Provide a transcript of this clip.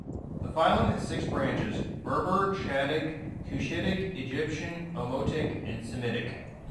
The phylum has six branches: Berber, Chadic, Cushitic, Egyptian, Omotic and Semitic.